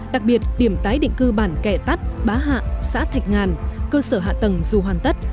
đặc biệt điểm tái định cư bản kẻ tắt bá hạ xã thạch ngàn cơ sở hạ tầng dù hoàn tất